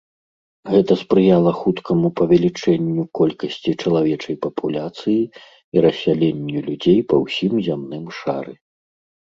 Гэта спрыяла хуткаму павелічэнню колькасці чалавечай папуляцыі і рассяленню людзей па ўсім зямным шары.